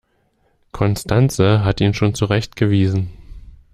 Constanze hat ihn schon zurechtgewiesen.